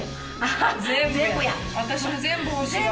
私も全部欲しいよ